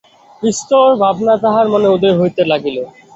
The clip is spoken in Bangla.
বিস্তর ভাবনা তাঁহার মনে উদয় হইতে লাগিল।